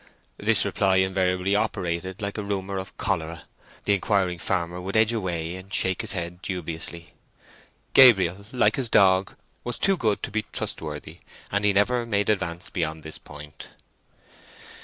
This reply invariably operated like a rumour of cholera. The inquiring farmer would edge away and shake his head dubiously. Gabriel, like his dog, was too good to be trustworthy, and he never made advance beyond this point.